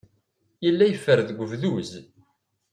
Yella yeffer deg ubduz.